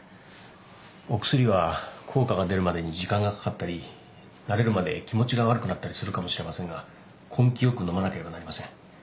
お薬は効果が出るまでに時間がかかったり慣れるまで気持ちが悪くなったりするかもしれませんが根気よく飲まなければなりません。